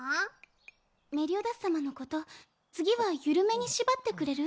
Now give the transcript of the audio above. メリオダス様のこと次は緩めに縛ってくれる？